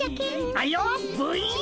あいよっブイン！